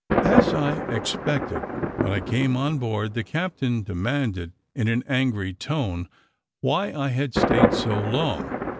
As I expected, when I came on board, the captain demanded, in an angry tone, why I had stayed so long.